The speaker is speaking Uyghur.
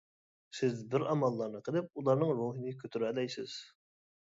سىز بىر ئاماللارنى قىلىپ ئۇلارنىڭ روھىنى كۆتۈرەلەيسىز.